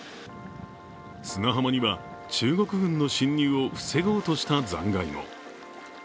砂浜には中国軍の進入を防ごうとした残骸も。